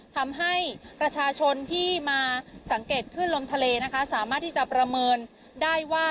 ทำให้ประชาชนที่มาสังเกตขึ้นลมทะเลนะคะสามารถที่จะประเมินได้ว่า